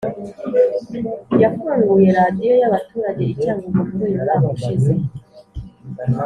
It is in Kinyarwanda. yafunguye radiyo y abaturage i Cyangugu muri uyu mwaka ushize